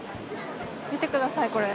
見てくださいこれ。